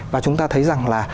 và chúng ta thấy rằng là